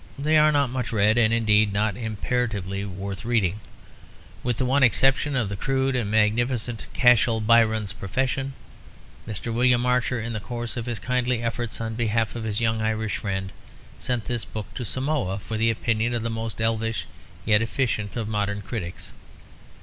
They are not much read, and indeed not imperatively worth reading, with the one exception of the crude and magnificent Cashel Byron's Profession. Mr. William Archer, in the course of his kindly efforts on behalf of his young Irish friend, sent this book to Samoa, for the opinion of the most elvish and yet efficient of modern critics.